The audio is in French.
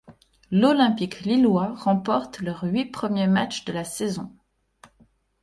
L’Olympique lillois remporte leurs huit premiers matchs de la saison.